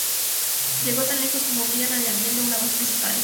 Llegó tan lejos como Brian añadiendo una voz principal.